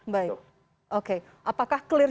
baik oke apakah clear